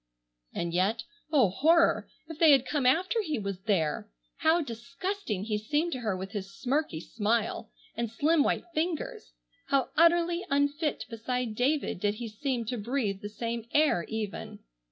And yet, oh, horror! if they had come after he was there! How disgusting he seemed to her with his smirky smile, and slim white fingers! How utterly unfit beside David did he seem to breathe the same air even.